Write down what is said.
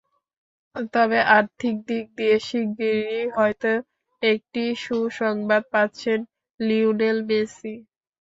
তবে আর্থিক দিক দিয়ে শিগগিরই হয়তো একটি সুসংবাদ পাচ্ছেন লিওনেল মেসি।